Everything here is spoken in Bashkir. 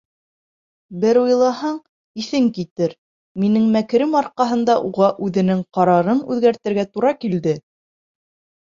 — Бер уйлаһаң, иҫең китер, минең мәкерем арҡаһында уға үҙенең ҡарарын үҙгәртергә тура килде!